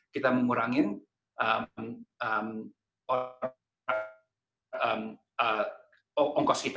kita mengurangi ongkos kita